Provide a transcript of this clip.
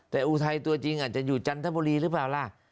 แต่อุทัยตัวจริงอาจจะอยู่จันทบุรีหรือเปล่าล่ะ